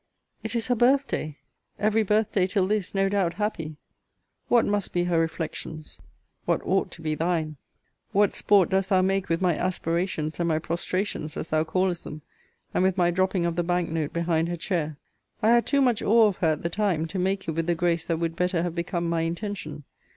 It is her BIRTH DAY! Every birth day till this, no doubt, happy! What must be her reflections! What ought to be thine! What sport dost thou make with my aspirations, and my prostrations, as thou callest them; and with my dropping of the banknote behind her chair! I had too much awe of her at the time, to make it with the grace that would better have become my intention.